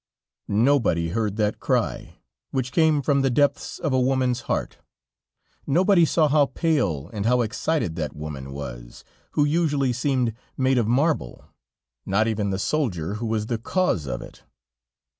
Nobody heard that cry, which came from the depths or a woman's heart, nobody saw how pale and how excited that woman was, who usually seemed made of marble, not even the soldier who was the cause of it.